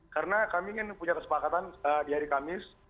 karena kami ingin punya kesepakatan di hari kamis